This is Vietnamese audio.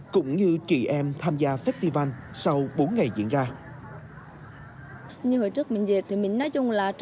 cũng như chị em tham gia festival sau bốn ngày diễn ra